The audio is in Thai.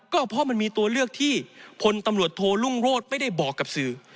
ก็เพราะมันมีตัวเลือกที่พลตำรวจโทรุ่งโรธไม่ได้บอกกับสื่อ